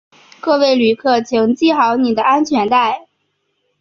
各位旅客请系好你的安全带